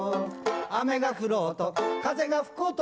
「雨が降ろうと、風が吹こうと」